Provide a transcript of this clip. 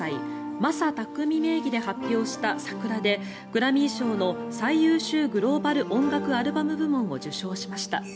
ＭａｓａＴａｋｕｍｉ名義で発表した「Ｓａｋｕｒａ」でグラミー賞の最優秀グローバル音楽アルバム部門を受賞しました。